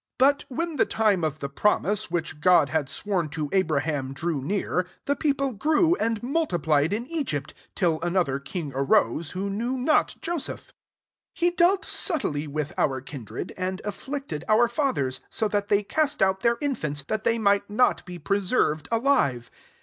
17 " But when the time of Uie promise, which God had sworn to Abraham, drew near, the people grew and multi plied in Egypt; 18 till another king arose, who knew not Jo seph. 19 He dealt subtilly with our kindred, and afilicted our fathers; so that they cast out their infants, that they might not be preserved alive'.